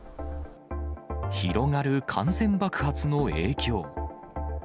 広がる感染爆発の影響。